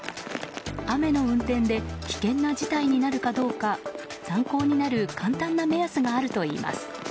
雨の運転で危険な事態になるかどうか参考になる簡単な目安があるといいます。